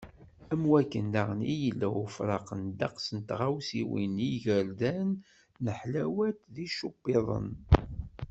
Am wakken daɣen i d-yella ufraq n ddeqs n tɣawsiwin i yigerdan, leḥlawat, tičupiḍin.